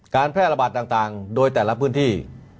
แพร่ระบาดต่างโดยแต่ละพื้นที่